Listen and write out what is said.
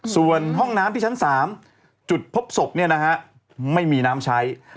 ส่วนห้องน้ำที่ชั้น๓จุดพบศพไม่มีน้ำใช้